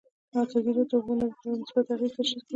ازادي راډیو د د اوبو منابع په اړه مثبت اغېزې تشریح کړي.